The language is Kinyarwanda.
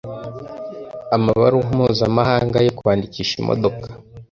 Amabaruwa mpuzamahanga yo kwandikisha imodoka